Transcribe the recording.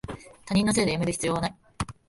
他人のせいでやめる必要はない